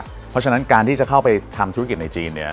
เพราะฉะนั้นการที่จะเข้าไปทำธุรกิจในจีนเนี่ย